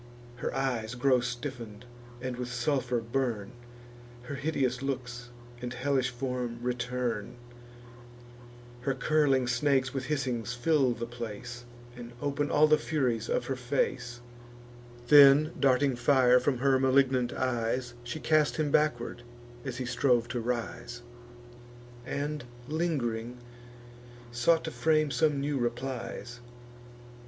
Her eyes grow stiffen'd, and with sulphur burn; Her hideous looks and hellish form return; Her curling snakes with hissings fill the place, And open all the furies of her face: Then, darting fire from her malignant eyes, She cast him backward as he strove to rise, And, ling'ring, sought to frame some new replies.